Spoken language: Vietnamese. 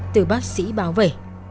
từ bác sĩ bảo vệ